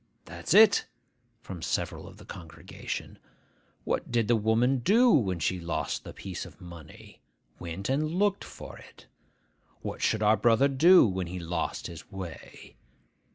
('That's it!' from several of the congregation.) What did the woman do when she lost the piece of money? Went and looked for it. What should our brother do when he lost his way?